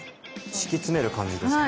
敷き詰める感じですか？